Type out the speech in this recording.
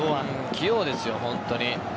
器用ですよね、本当に。